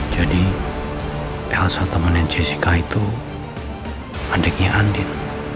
jadi elsa temenin jessica itu adiknya andin